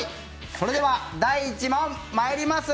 それでは第１問、参ります。